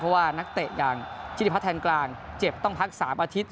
เพราะว่านักเตะอย่างธิริพัฒน์แทนกลางเจ็บต้องพัก๓อาทิตย